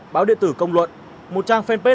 báo điện tử công luận